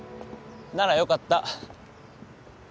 ならよかった。